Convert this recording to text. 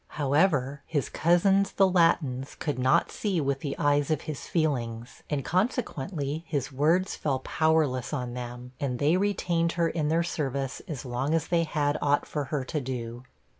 However, his cousins, the Latins, could not see with the eyes of his feelings, and consequently his words fell powerless on them, and they retained her in their service as long as they had aught for her to do.